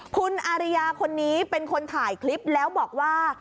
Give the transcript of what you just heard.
คุณอาริยาคนนี้เป็นคนถ่ายคลิปแล้วบอกว่า